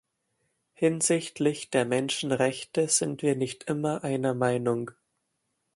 Hinsichtlich der Menschenrechte sind wir nicht immer einer Meinung.